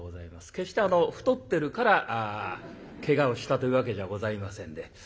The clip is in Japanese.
決してあの太ってるからけがをしたというわけじゃございませんで。